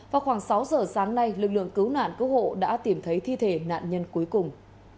vào khoảng sáu giờ sáng nay lực lượng cứu nạn cứu hộ đã tìm thấy thi thể nạn nhân cuối cùng